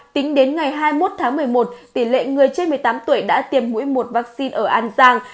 tính đến ngày hai mươi một tháng một mươi một tỷ lệ người trên một mươi tám tuổi đã tiêm mũi một vaccine ở an giang